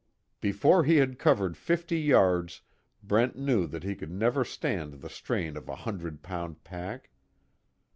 Before he had covered fifty yards Brent knew that he could never stand the strain of a hundred pound pack.